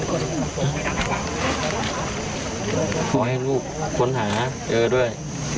ขอให้ลูกค้นหาเจอด้วย